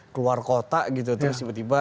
keluar kota gitu terus tiba tiba